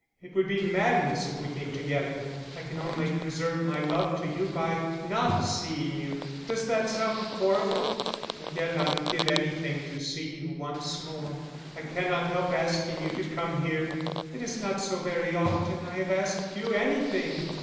It would be madness if we came together I can only preserve my love to you by not seeing you. Does that sound horrible? And yet I would give anything to see you once more. I cannot help asking you to come here. It is not so very often I have asked you anything.